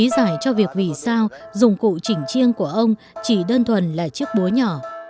tại sao dụng cụ chỉnh chiêng của ông chỉ đơn thuần là chiếc búa nhỏ